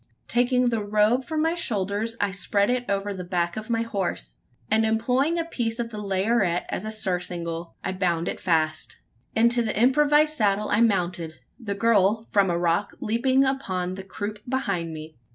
Taking the robe from my shoulders, I spread it over the back of my horse; and employing a piece of the laryette as a surcingle, I bound it fast. Into the improvised saddle I mounted the girl, from a rock, leaping upon the croup behind me.